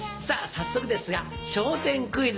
早速ですが笑点クイズ。